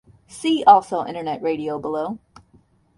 See also Internet radio below.